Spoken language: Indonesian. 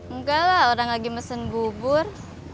enggak lah orang lagi mesin bubur